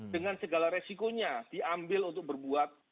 dengan segala resikonya diambil untuk berbuat